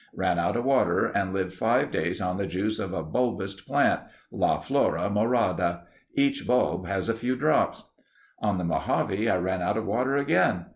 Ran out of water and lived five days on the juice of a bulbous plant—la Flora Morada. Each bulb has a few drops. "On the Mojave I ran out of water again.